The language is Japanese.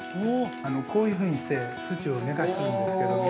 ◆こういうふうにして土を寝かしてるんですけども。